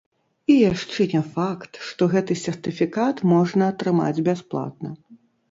І яшчэ не факт, што гэты сертыфікат можна атрымаць бясплатна.